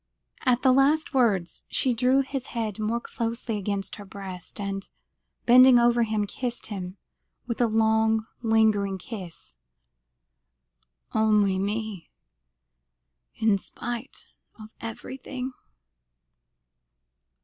At the last words, she drew his head more closely against her breast, and, bending over him, kissed him with a long lingering kiss. "Only me in spite of everything?"